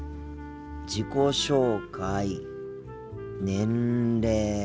自己紹介年齢。